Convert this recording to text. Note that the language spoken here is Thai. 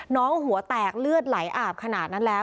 หัวแตกเลือดไหลอาบขนาดนั้นแล้ว